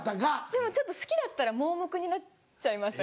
でも好きだったら盲目になっちゃいません？